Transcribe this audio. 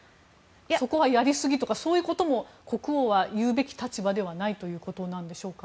そこはやりすぎとかそういうことも国王は言うべき立場ではないということなんでしょうか。